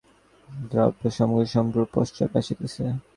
দ্রব্যসামগ্রী সমগ্র পশ্চাৎ আসিতেছে।